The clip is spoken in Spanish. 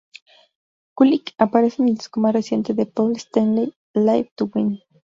Kulick aparece en el disco más reciente de Paul Stanley, Live to Win.